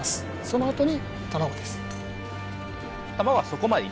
そのあとに卵です